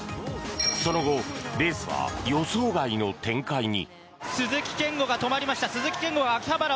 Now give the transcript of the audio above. その後レースは予想外の展開に。